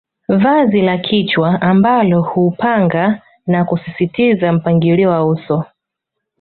Vazi la kichwa ambalo huupanga na kuusisitiza mpangilio wa uso